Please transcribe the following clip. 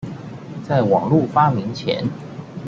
在網路發明前